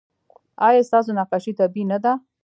ایا ستاسو نقاشي طبیعي نه ده؟